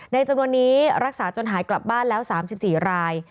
จำนวนนี้รักษาจนหายกลับบ้านแล้ว๓๔ราย